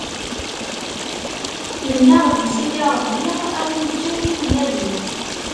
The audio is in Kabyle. Mennaɣ di Sidi Ṛebbi, a wi yeččan timellalin.